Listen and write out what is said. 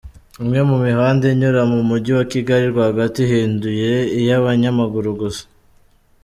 Imwe mu mihanda inyura mu mujyi wa Kigali rwagati ihinduwe iy’abanyamaguru gusa.